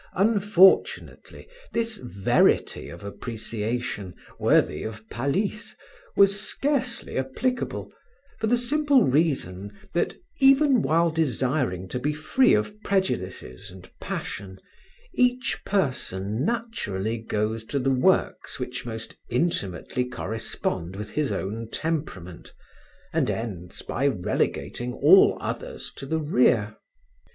Unfortunately, this verity of appreciation, worthy of Palisse, was scarcely applicable, for the simple reason that, even while desiring to be free of prejudices and passion, each person naturally goes to the works which most intimately correspond with his own temperament, and ends by relegating all others to the rear.